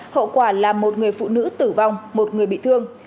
hậu quả là một người phụ nữ tử vong một người bị thương